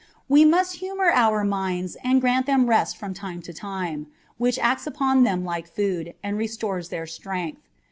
We must humour our minds and grant them rest from time to time, which acts upon them like food, and restores their strength.